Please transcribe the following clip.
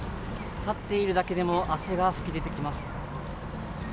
立っているだけでも汗が噴き出てきます。